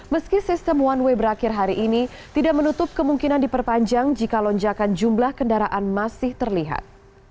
meski sistem one way berakhir hari ini tidak menutup kemungkinan diperpanjang jika lonjakan jumlah kendaraan masih terlihat